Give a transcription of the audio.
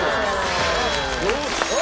よし！